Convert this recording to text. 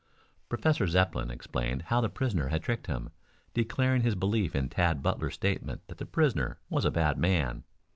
Professor Zepplin explained how the prisoner had tricked him, declaring his belief in Tad Butler's statement that the prisoner was a bad man.